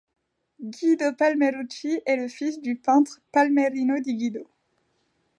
Guido Palmerucci est le fils du peintre Palmerino di Guido.